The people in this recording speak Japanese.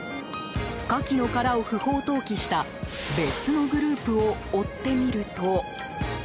カキの殻を不法投棄した別のグループを追ってみると。